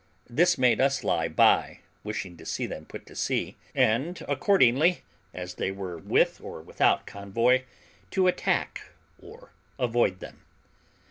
This made us lie by, wishing to see them put to sea, and, accordingly as they were with or without convoy, to attack or avoid them.